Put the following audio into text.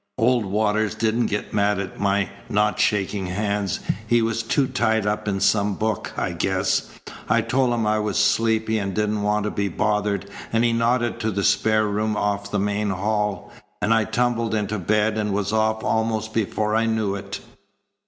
Old Waters didn't get mad at my not shaking hands. He was too tied up in some book, I guess. I told him I was sleepy and didn't want to be bothered, and he nodded to the spare room off the main hall, and I tumbled into bed and was off almost before I knew it."